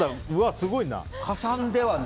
すごいな。